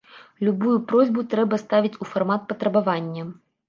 Любую просьбу трэба ставіць у фармат патрабавання.